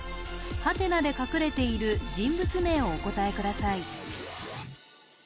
ハテナで隠れている人物名をお答えください